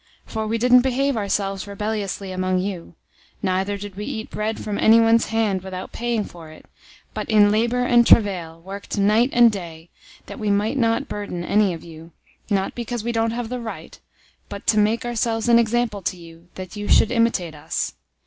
For we didn't behave ourselves rebelliously among you, 003:008 neither did we eat bread from anyone's hand without paying for it, but in labor and travail worked night and day, that we might not burden any of you; 003:009 not because we don't have the right, but to make ourselves an example to you, that you should imitate us.